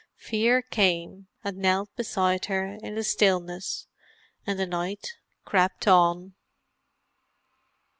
Fear came and knelt beside her in the stillness, and the night crept on.